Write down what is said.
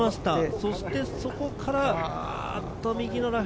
そしてそこから、右のラフ。